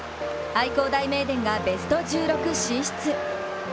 愛工大名電がベスト１６進出。